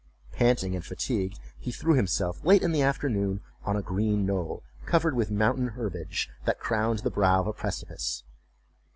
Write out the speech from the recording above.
Panting and fatigued, he threw himself, late in the afternoon, on a green knoll, covered with mountain herbage, that crowned the brow of a precipice.